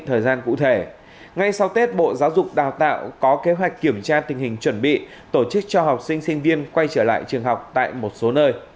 thông tin từ bộ giáo dục đà tạo cho biết bộ trường học cụ thể như sau